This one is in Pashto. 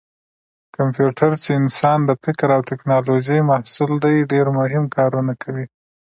کمپیوټر چې د انسان د فکر او ټېکنالوجۍ محصول دی ډېر مهم کارونه کوي.